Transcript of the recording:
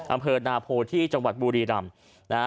อำเภอนาโพที่จังหวัดบุรีรำนะฮะ